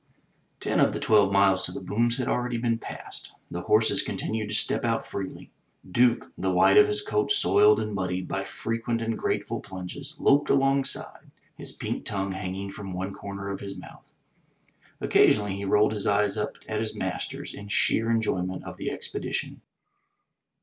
Ten of the twelve miles to the booms had already been passed. The horses continued to step out freely. Duke, the white of his coat soiled and muddied by frequent and grateful plunges, loped alongside, his pink tongue hanging from one comer of his mouth. Occasionally he rolled his eyes up at his master's in sheer enjoy ment of the expedition.